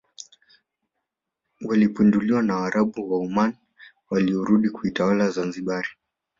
walipinduliwa na waarabu wa Oman waliorudi kuitawala Zanzibar